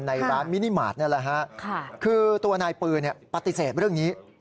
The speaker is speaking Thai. ในร้านมินิมาตรนี่แหละฮะคือตัวนายปืนปฏิเสธเรื่องนี้